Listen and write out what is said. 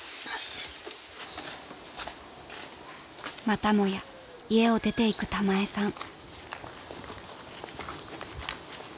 ［またもや家を出て行くタマエさん］